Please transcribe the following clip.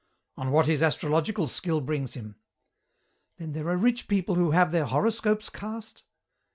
"On what his astrological skill brings him." "Then there are rich people who have their horoscopes cast?"